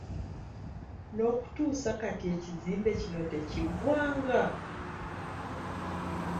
N'okutuusa kati ekizimbe kino tekiggwanga!